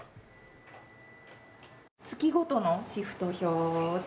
月ごとのシフト表で。